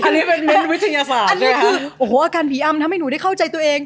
อันดีคือโอ้โหอาการผีอำทำให้หนูได้เข้าใจตัวเอง